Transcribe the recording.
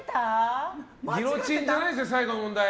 ギロチンじゃないですよ最後の問題。